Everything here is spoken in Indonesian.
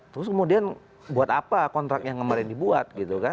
terus kemudian buat apa kontrak yang kemarin dibuat